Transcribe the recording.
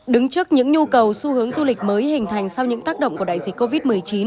đứng trước những nhu cầu xu hướng du lịch mới hình thành sau những tác động của đại dịch covid một mươi chín